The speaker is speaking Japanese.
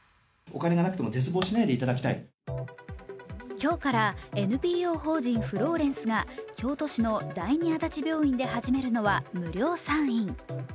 今日からＮＰＯ法人フローレンスが京都市の第二足立病院で始めるのは無料産院。